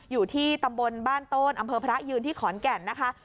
อยู่ที่ตำบลบ้านโตนอำเภอพระยืนที่ขอนแก่นนะคะ